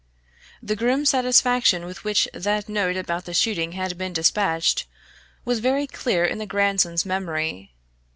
The grim satisfaction with which that note about the shooting had been despatched, was very clear in the grandson's memory.